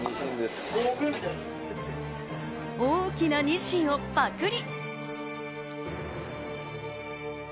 大きなにしんをパクリ。